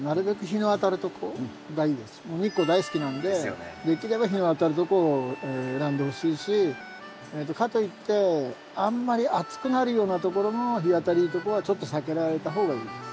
日光大好きなんでできれば日の当たるとこを選んでほしいしかといってあんまり暑くなるようなところの日当たりとかはちょっと避けられた方がいいです。